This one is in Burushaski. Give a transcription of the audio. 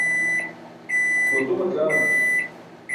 Kʰu atumac̣aan.